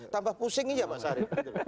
tambah pusing aja pak sarip